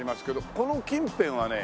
この近辺はね